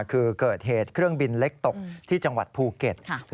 คือเกิดเหตุเครื่องบินเล็กตกที่จังหวัดภูเก็ต